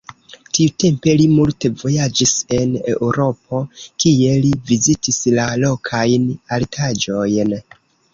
Tiutempe li multe vojaĝis en Eŭropo, kie li vizitis la lokajn artaĵojn.